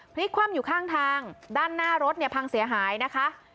พลิกคว่ำอยู่ข้างทางด้านหน้ารถเนี่ยพังเสียหายนะคะ